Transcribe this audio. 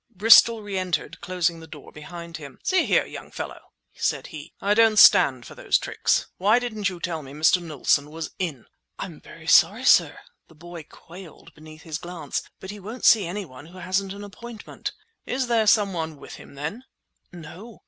Bristol reentered, closing the door behind him. "See here, young fellow," said he, "I don't stand for those tricks! Why didn't you tell me Mr. Knowlson was in?" "I'm very sorry, sir!"—the boy quailed beneath his glance—"but he won't see any one who hasn't an appointment." "Is there someone with him, then?" "No."